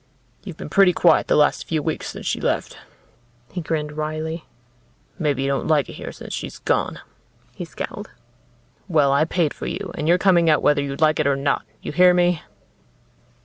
You've been pretty quiet the last few weeks since she left." He grinned wryly. "Maybe you don't like it here since she's gone." He scowled. "Well, I paid for you, and you're coming out whether you like it or not. You hear me?"